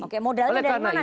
oke modalnya dari mana